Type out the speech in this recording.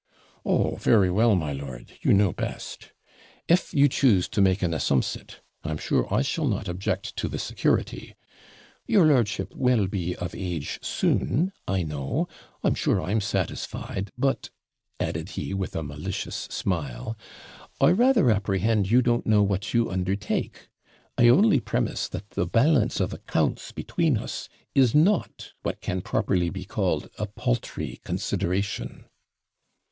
'Oh, very well, my lord; you know best. If you choose to make an assumpsit, I'm sure I shall not object to the security. Your lordship will be of age soon, I know I'm sure I'm satisfied but,' added he with a malicious smile, 'I rather apprehend you don't know what you undertake; I only premise that the balance of accounts between us is not what can properly be called a paltry consideration.'